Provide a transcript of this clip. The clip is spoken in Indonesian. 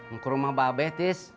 mau ke rumah bapak tis